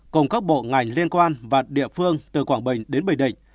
cùng các bộ ngành liên quan và địa phương từ quảng bình đến bình định